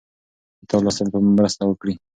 کتاب لوستل به مرسته وکړي.